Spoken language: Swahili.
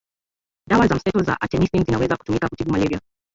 dawa za mseto za artemisin zinaweza kutumika kutibu malaria